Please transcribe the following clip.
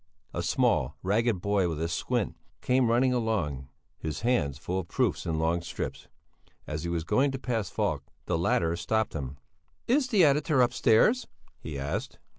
A small, ragged boy with a squint came running along, his hands full of proofs in long strips; as he was going to pass Falk, the latter stopped him. "Is the editor upstairs?" he asked.